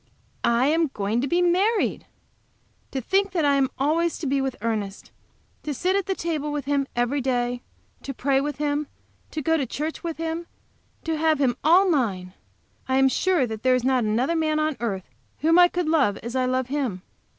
I am going to be married! To think that I am always to be with Ernest! To sit at the table with him every day, to pray with him, to go to church with him, to have him all mine! I am sure that there is not another man on earth whom I could love as I love him.